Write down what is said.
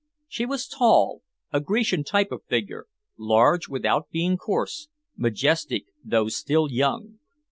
She was tall, a Grecian type of figure, large without being coarse, majestic though still young.